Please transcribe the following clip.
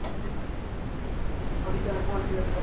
no hay quien te saque